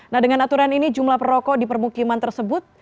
nah dengan aturan ini jumlah perokok di permukiman tersebut